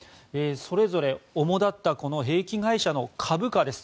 それぞれ主立った兵器会社の株価です。